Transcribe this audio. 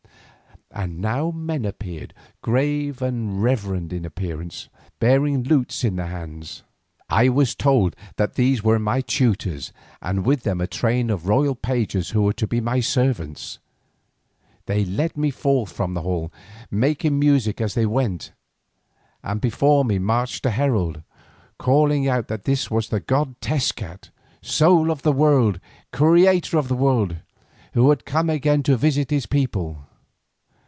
And now men appeared, grave and reverend in appearance, bearing lutes in their hands. I was told that these were my tutors, and with them a train of royal pages who were to be my servants. They led me forth from the hall making music as they went, and before me marched a herald, calling out that this was the god Tezcat, Soul of the World, Creator of the World, who had come again to visit his people.